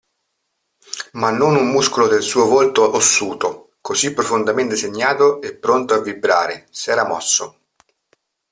Ma non un muscolo del suo volto ossuto, così profondamente segnato e pronto a vibrare, s'era mosso.